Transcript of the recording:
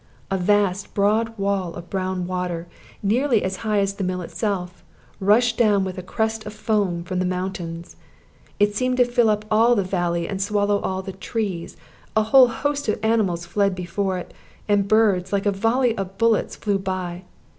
A vast, broad wall of brown water, nearly as high as the mill itself, rushed down with a crest of foam from the mountains. It seemed to fill up all the valley and to swallow up all the trees; a whole host of animals fled before it, and birds, like a volley of bullets, flew by.